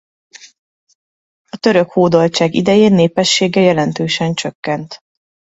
A török hódoltság idején népessége jelentősen csökkent.